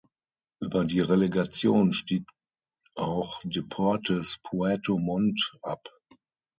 Über die Relegation stieg auch Deportes Puerto Montt ab.